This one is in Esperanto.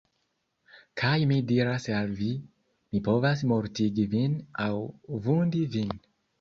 Kaj mi diras al vi, mi povas mortigi vin aŭ vundi vin!